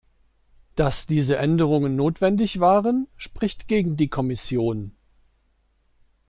dass diese Änderungen notwendig waren, spricht gegen die Kommission.